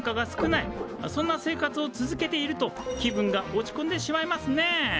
そんな生活を続けていると気分が落ちこんでしまいますねえ。